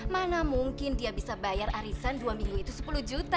mana mungkin dia bisa bayar arisan dua minggu itu sepuluh juta